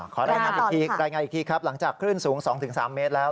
ขอได้งานอีกทีครับหลังจากขึ้นสูง๒๓เมตรแล้ว